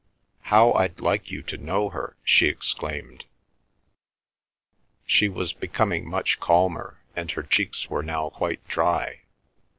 "How I'd like you to know her!" she exclaimed. She was becoming much calmer, and her cheeks were now quite dry.